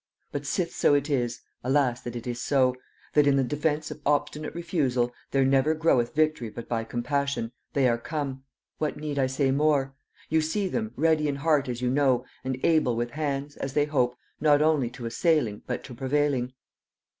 But sith so it is (alas that it is so!) that in the defence of obstinate refusal there never groweth victory but by compassion, they are come: what need I say more? You see them, ready in heart as you know, and able with hands, as they hope, not only to assailing, but to prevailing.